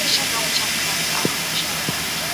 ماشوم ته تر شپږو میاشتو شیدې ورکړئ.